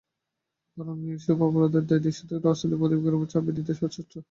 বরং এসব জঘন্য অপরাধের দায় দৃশ্যত রাজনৈতিক প্রতিপক্ষের ওপর চাপিয়ে দিতেই সচেষ্ট।